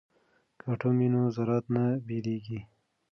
که اټوم وي نو ذرات نه بېلیږي.